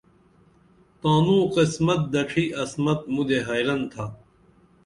تانوں قسمت دڇھی عصمت مُدے خیرن تھا